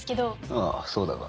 ああそうだが。